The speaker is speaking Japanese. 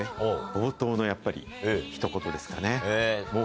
冒頭のやっぱりひと言ですかね。